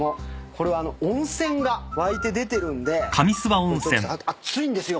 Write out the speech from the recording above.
これは温泉が湧いて出てるんでこれちょっとあっ熱いんですよ